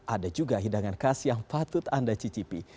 ada juga hidangan khas yang patut anda cicipi